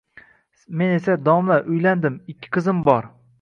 Men esa “Domla, uylandim, ikki qizim bor.